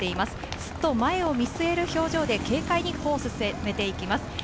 すっと前を見据える表情で、軽快に歩を進めていきます。